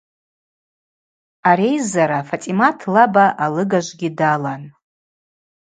Ари айззара Фатӏимат лаба алыгажвгьи далан.